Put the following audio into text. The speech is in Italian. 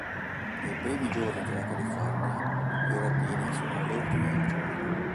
Nei primi giorni della California, le rapine sono all'ordine del giorno.